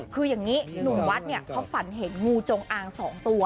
คืออย่างนี้หนุ่มวัดเนี่ยเขาฝันเห็นงูจงอาง๒ตัว